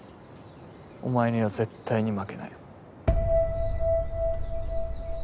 お前には絶対に負けない。